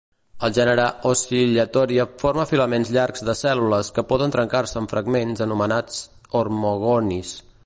El gènere "Oscillatoria" forma filaments llargs de cèl·lules que poden trencar-se en fragments anomenats hormogonis.